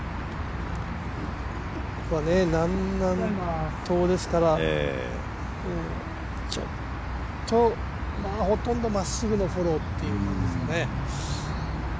南南東ですからちょっとほとんどまっすぐのフォローっていう感じですかね。